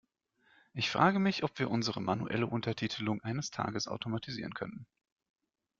Ich frage mich, ob wir unsere manuelle Untertitelung eines Tages automatisieren könnten.